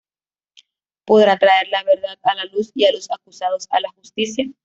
Podrá traer la verdad a la luz y a los acusados a la justicia?